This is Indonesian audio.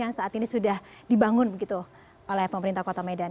yang saat ini sudah dibangun oleh pemerintah kota medan